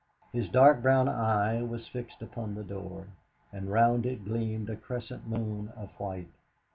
His dark brown eye was fixed upon the door, and round it gleamed a crescent moon of white.